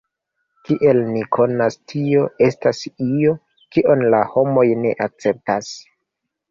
Kiel ni konas, tio estas io, kion la homoj ne akceptas.